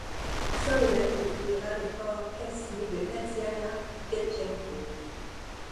Sullivan découvrira le corps calciné de Tatiana Deschenko.